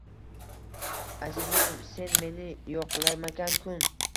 Azizim, Sen meni yo’qlamagan kun.